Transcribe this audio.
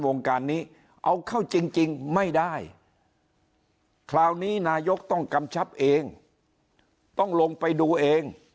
วงการนี้เอาเข้าจริงไม่ได้คราวนี้นายกต้องกำชับเองต้องลงไปดูเอง